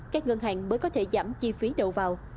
các ngân hàng mới có thể giảm chi phí đầu vào